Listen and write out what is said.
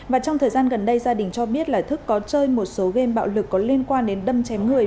và trong thời gian gần đây gia đình cho biết là thức có chơi một số game bạo lực có liên quan đến đâm chém người